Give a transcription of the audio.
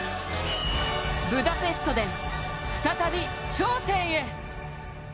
ブダペストで再び頂点へ。